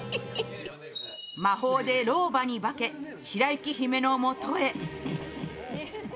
魔法で老婆に化け白雪姫のもとへ。